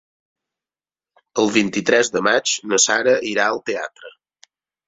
El vint-i-tres de maig na Sara irà al teatre.